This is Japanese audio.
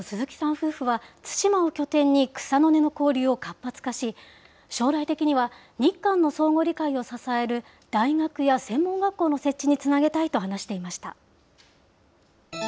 夫婦は、対馬を拠点に草の根の交流を活発化し、将来的には日韓の相互理解を支える大学や専門学校の設置につなげたいと話していました。